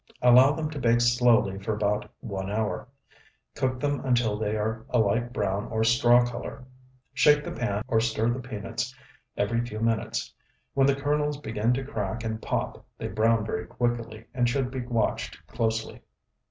Allow them to bake slowly for about one hour. Cook them until they are a light brown or straw color. Shake the pan or stir the peanuts every few minutes. When the kernels begin to crack and pop they brown very quickly and should be watched closely.